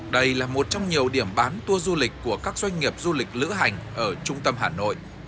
đây là một trong nhiều điểm bán tour du lịch của các doanh nghiệp du lịch lữ hành ở trung tâm hà nội